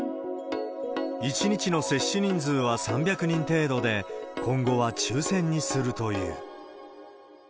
１日の接種人数は３００人程度で、今後は抽せんにするという。